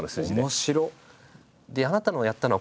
面白っ！